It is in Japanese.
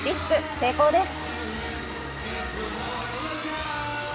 成功です。